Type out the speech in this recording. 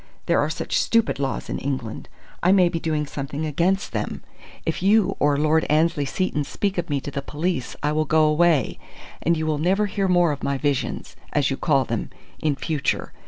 There are such stupid laws in England. I may be doing something against them. If you or Lord Annesley Seton speak of me to the police I will go away, and you will never hear more of my visions as you call them in future.